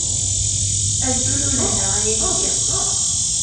Azul ulehna ay Akli!